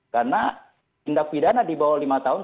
karena tindak pidana di bawah lima tahun